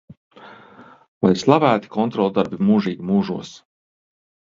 Lai slavēti kontroldarbi mūžīgi mūžos!